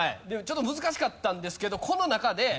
でもちょっと難しかったんですけどこの中で。